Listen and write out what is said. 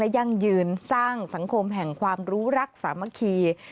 ยั่งยืนสร้างสังคมแห่งความรู้รักสามัคคี